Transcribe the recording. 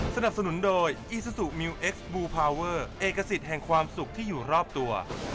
สนับสนุนโดยอีซูซูมิวเอ็กซ์บลูพาวเวอร์เอกสิทธิ์แห่งความสุขที่อยู่รอบตัว